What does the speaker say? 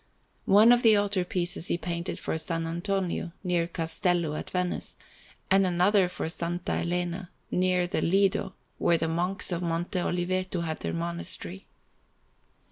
One of the altar pieces he painted for S. Antonio, near Castello, at Venice, and another for S. Elena, near the Lido, where the Monks of Monte Oliveto have their monastery.